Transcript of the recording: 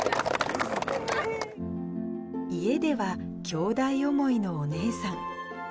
家では、きょうだい思いのお姉さん。